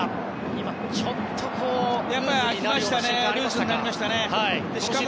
今、ちょっとルーズになりましたよね。